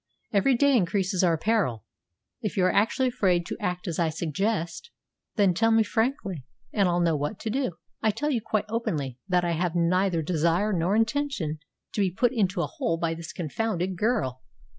Every day increases our peril. If you are actually afraid to act as I suggest, then tell me frankly and I'll know what to do. I tell you quite openly that I have neither desire nor intention to be put into a hole by this confounded girl.